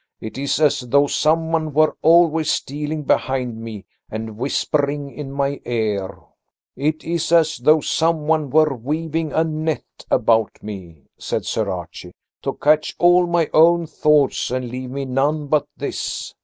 "It is as though someone were always stealing behind me and whispering in my ear. "It is as though someone were weaving a net about me," said Sir Archie, "to catch all my own thoughts and leave me none but this.